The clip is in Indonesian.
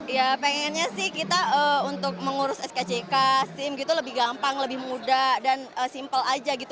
ya pengennya sih kita untuk mengurus skck sim gitu lebih gampang lebih mudah dan simpel aja gitu